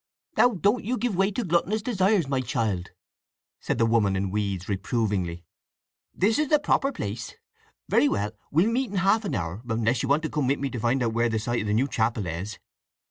"Now, don't you give way to gluttonous desires, my child," said the woman in weeds reprovingly. "This is the proper place. Very well: we'll meet in half an hour, unless you come with me to find out where the site of the new chapel is?"